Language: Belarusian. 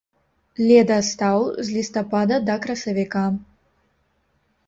Ледастаў з лістапада да красавіка.